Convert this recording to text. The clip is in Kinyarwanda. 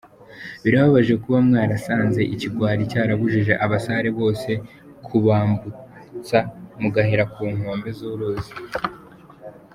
Birababaje kuba mwarasanze ikigwari cyarabujije abasare bose kubambutsa mugahera ku nkombe z’uruzi.